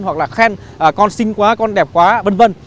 hoặc là khen con xinh quá con đẹp quá vân vân